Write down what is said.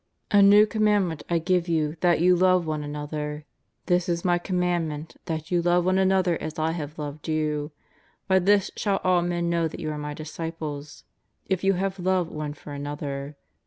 "A new commandment I ffive vou that vou love one another. This is My commandment that you love one another as I have loved you. By this shall all men know that you are My disciples, if you have love one for another.